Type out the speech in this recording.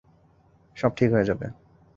সব ঠিক হয়ে যাবে।